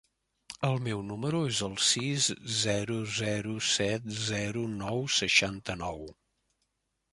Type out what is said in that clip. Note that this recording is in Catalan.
El meu número es el sis, zero, zero, set, zero, nou, seixanta-nou.